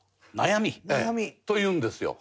悩み？というんですよ。